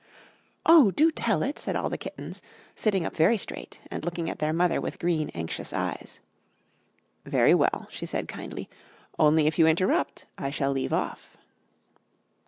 "Oh, do tell it," said all the kittens, sitting up very straight and looking at their mother with green anxious eyes. "Very well," she said kindly; "only if you interrupt I shall leave off."